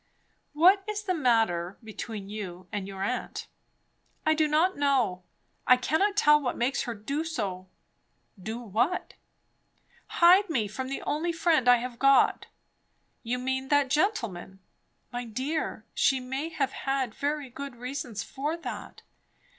"What is the matter between you and your aunt?" "I do not know. I cannot tell what makes her do so." "Do what?" "Hide me from the only friend I have got." "You mean that gentleman? My dear, she may have had very good reasons for that?"